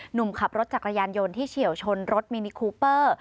หนุ่มขับรถจักรยานยนต์ที่เฉียวชนรถมินิคูเปอร์